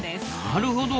なるほど。